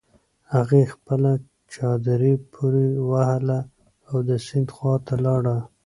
هغې خپله چادري پورې وهله او د سيند خواته لاړه.